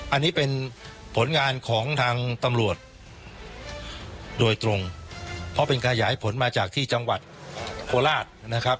อันนี้เป็นผลงานของทางตำรวจโดยตรงเพราะเป็นขยายผลมาจากที่จังหวัดโคราชนะครับ